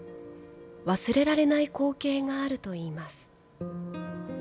忘れられない光景があるといいます。